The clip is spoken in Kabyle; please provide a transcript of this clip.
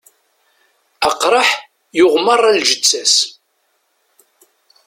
Aqraḥ yuɣ merra lǧett-as.